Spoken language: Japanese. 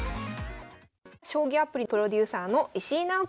将棋アプリプロデューサーの石井直樹さんです。